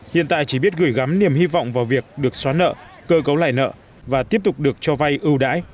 hiện tại chỉ biết gửi gắm niềm hy vọng vào việc được xóa nợ cơ cấu lại nợ và tiếp tục được cho vay ưu đãi